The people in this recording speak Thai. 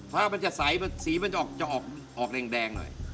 ฟ้ามันจะใสสีมันจะออกแดงหน่อย